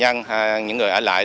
công nhân những người ở lại